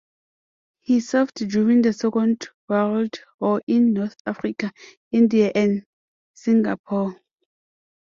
He served during the Second World War in North Africa, India and Singapore.